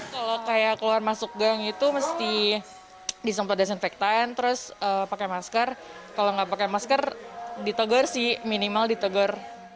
kalau kayak keluar masuk gang itu mesti disempor desinfektan terus pakai masker kalau nggak pakai masker ditegar sih minimal ditegar